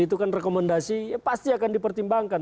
itu kan rekomendasi pasti akan dipertimbangkan